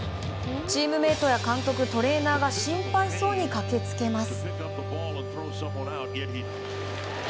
チームメートや監督トレーナーが心配そうに駆け付けます。